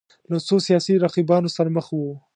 له څو سیاسي رقیبانو سره مخ وو